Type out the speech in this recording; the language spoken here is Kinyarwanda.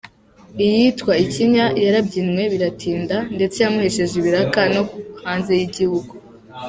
Iyitwa ‘Ikinya’ yarabyinwe biratinda ndetse yamuhesheje ibiraka no hanze y’igihugu.